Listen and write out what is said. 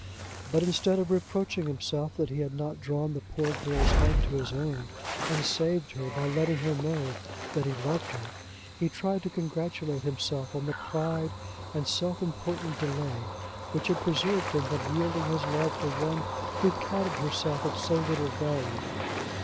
But, instead of reproaching himself that he had not drawn the poor girl's heart to his own, and saved her by letting her know that he loved her, he tried to congratulate himself on the pride and self important delay which had preserved him from yielding his love to one who counted herself of so little value.